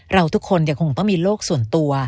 เราทุกคนยังคงต้องมีโลกส่วนตัว